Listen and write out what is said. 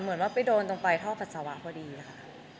เหมือนว่าไปโดนตรงปลายท่อปัสสาวะพอดีค่ะ